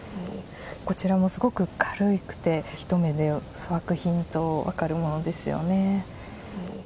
こちらもすごく軽くて、一目で粗悪品と分かるものですよね。